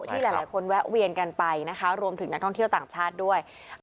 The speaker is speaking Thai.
ที่หลายคนแวะเวียนกันไปนะคะรวมถึงนักท่องเที่ยวต่างชาติด้วย